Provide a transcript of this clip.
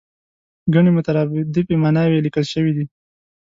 ګڼې مترادفې ماناوې یې لیکل شوې دي.